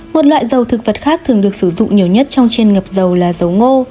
một loại dầu thực vật khác thường được sử dụng nhiều nhất trong chiên ngập dầu là dầu ngô